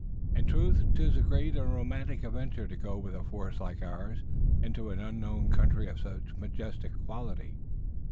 "In truth 'tis a great and romantic adventure to go with a force like ours into an unknown country of such majestic quality."